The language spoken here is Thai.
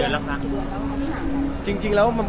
อ๋อน้องมีหลายคน